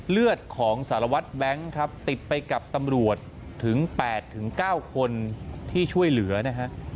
เลือดของสารวัตรแบงค์ครับติดไปกับตำรวจถึง๘๙คนที่ช่วยเหลือนะฮะ